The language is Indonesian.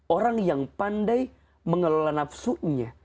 orang yang pandai mengelola nafsunya